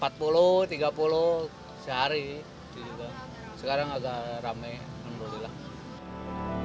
empat puluh tiga puluh sehari sekarang agak rame alhamdulillah